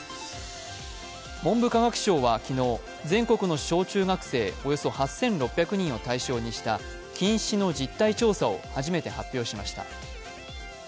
文部科学省は昨日、全国の小中学生およそ８６００人を対象にした近視の実態調査を初めて発表しました。